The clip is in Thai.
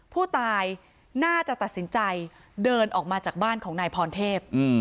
ผู้ตายน่าจะตัดสินใจเดินออกมาจากบ้านของนายพรเทพ